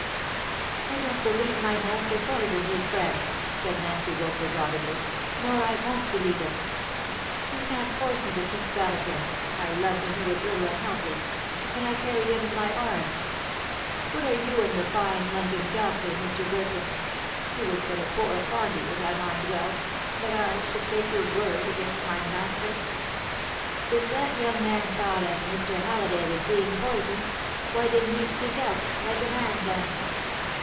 "I don't believe my master poisoned his friend," said Nancy Woolper, doggedly; "nor I won't believe it. You can't force me to think bad of him I loved when he was little and helpless, and I carried him in my arms. What are you and your fine London doctor, Mr. Burkham he was but a poor fondy, as I mind well that I should take your word against my master? If that young man thought as Mr. Halliday was being poisoned, why didn't he speak out, like a man, then?